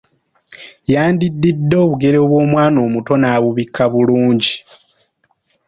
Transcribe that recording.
Yandiddidde obugere bw’omwana omuto n'abubikka bulungi.